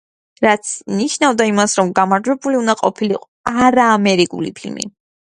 რაც ნიშნავდა იმას, რომ გამარჯვებული უნდა ყოფილიყო არაამერიკული ფილმი.